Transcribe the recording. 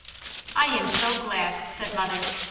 "I am so glad!" said mother.